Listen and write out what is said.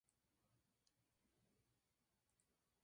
Pablo Baltazar Cano.